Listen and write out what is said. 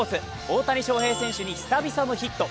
大谷翔平選手に久々のヒット。